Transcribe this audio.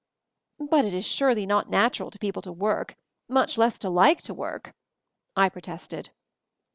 "But it is surely not natural to people to work — much less to like to work!" I pro tested.